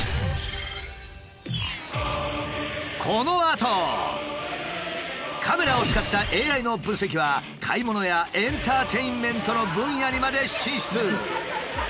このあとカメラを使ったＡＩの分析は買い物やエンターテインメントの分野にまで進出！